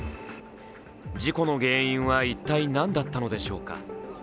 事故の原因は一体何だったのでしょうか。